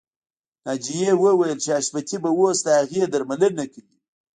ناجیه وویل چې حشمتي به اوس د هغې درملنه کوي